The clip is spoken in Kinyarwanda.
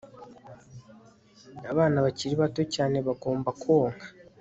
abana bakiri bato cyane bagomba konka